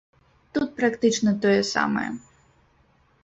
Тут практычна тое самае.